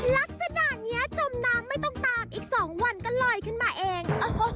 ลักษณะนี้จมน้ำไม่ต้องตามอีก๒วันก็ลอยขึ้นมาเอง